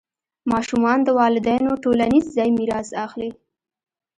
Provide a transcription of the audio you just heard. ماشومان د والدینو ټولنیز ځای میراث اخلي.